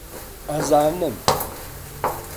ئەزانم